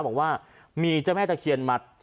บอกว่ามีเจ้าแม่ตะเคียนมัด